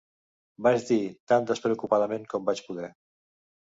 Vaig dir, tan despreocupadament com vaig poder.